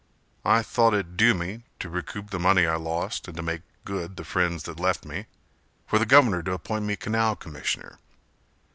I thought it due me, to recoup the money I lost And to make good the friends that left me, For the Governor to appoint me Canal Commissioner.